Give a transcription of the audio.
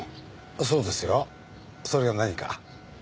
そうですよ。それが何か？